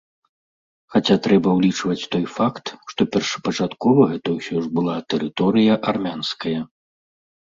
Хаця трэба ўлічваць той факт, што першапачаткова гэта ўсё ж была тэрыторыя армянская.